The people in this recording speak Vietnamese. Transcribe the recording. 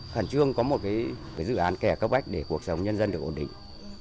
khẳng trương có một dự án kẻ cấp bách để cuộc sống nhân dân được ổn định